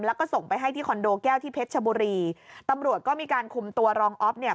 แล้วก็ส่งไปให้ที่คอนโดแก้วที่เพชรชบุรีตำรวจก็มีการคุมตัวรองอ๊อฟเนี่ย